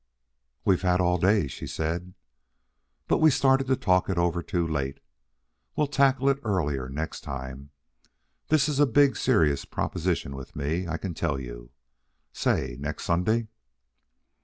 "We've had all day," she said. "But we started to talk it over too late. We'll tackle it earlier next time. This is a big serious proposition with me, I can tell you. Say next Sunday?"